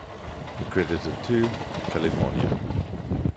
Accredited to: California.